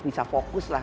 ya bisa fokus lah